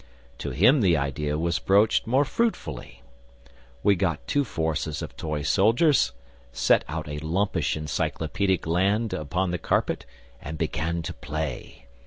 To him the idea was broached more fruitfully. We got two forces of toy soldiers, set out a lumpish Encyclopaedic land upon the carpet, and began to play.